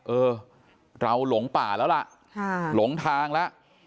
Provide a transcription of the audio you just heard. เออเราหลงป่าแล้วล่ะหลงทางแล้ว